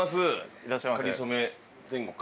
いらっしゃいませ。